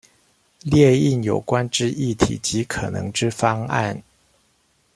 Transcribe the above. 列印有關之議題及可能之方案